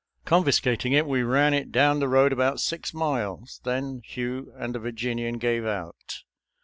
Confiscating it, we ran it down the road about six miles. Then Hugh and the Virginian gave out.